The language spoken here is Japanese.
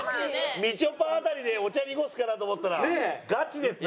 みちょぱ辺りでお茶濁すかなと思ったらガチですね！